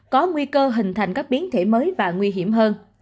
có nguy cơ hình thành các biến thể mới và nguy hiểm hơn